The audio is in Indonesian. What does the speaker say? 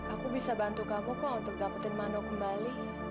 aku bisa bantu kamu kong untuk dapetin mano kembali